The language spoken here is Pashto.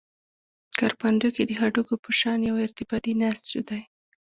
کرپندوکي د هډوکو په شان یو ارتباطي نسج دي.